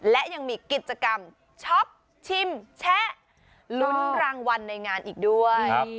และยังมีกิจกรรมช็อปชิมแชะลุ้นรางวัลในงานอีกด้วย